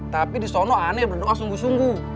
tapi di sana anies berdoa sungguh sungguh